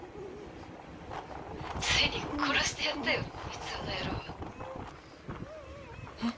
「ついに殺してやったよ光雄の野郎」えっ？